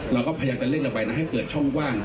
เราก็พยายามจะเร่งเราไปนะให้เกิดช่องว่าง